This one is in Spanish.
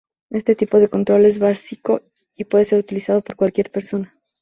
Este tipo de control es básico y puede ser utilizado por cualquier persona.